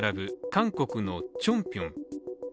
韓国のチョンピョン。